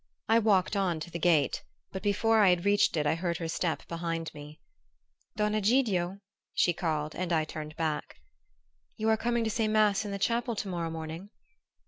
I walked on to the gate; but before I had reached it I heard her step behind me. "Don Egidio!" she called; and I turned back. "You are coming to say mass in the chapel to morrow morning?"